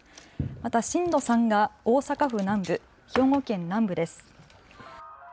また震度３が大阪府南部、兵庫県南部です。